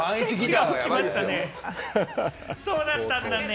そうだったんだね。